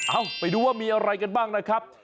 ไปดูว่ามีอะไรกันบ้างนะครับ